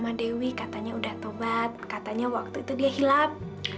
ternyata waktu itu dia hilap